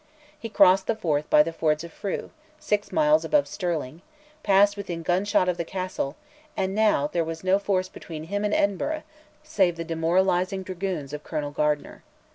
He crossed the Forth by the fords of Frew, six miles above Stirling, passed within gunshot of the castle, and now there was no force between him and Edinburgh save the demoralised dragoons of Colonel Gardiner.